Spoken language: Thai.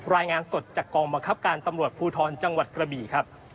รายงานสดจากกองบังคับการตำรวจภูทรจังหวัดกระบี่ครับ